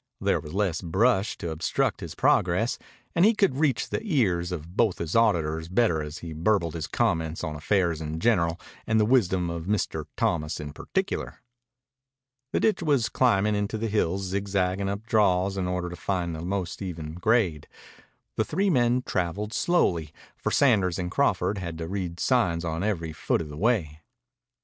There was less brush to obstruct his progress, and he could reach the ears of both his auditors better as he burbled his comments on affairs in general and the wisdom of Mr. Thomas in particular. The ditch was climbing into the hills, zigzagging up draws in order to find the most even grade. The three men traveled slowly, for Sanders and Crawford had to read sign on every foot of the way.